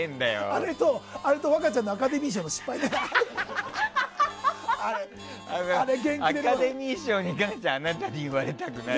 あれと、若ちゃんのアカデミー賞の失敗ね。